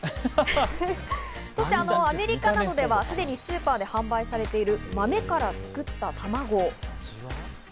アメリカなどでは、すでにスーパーで販売されている豆から作った卵。